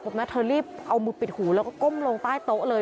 บอกว่าเธอรีบเอามือปิดหูแล้วก็ก้มลงป้ายโต๊ะเลย